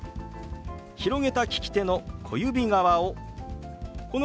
広げた利き手の小指側をこの辺りに２回当てます。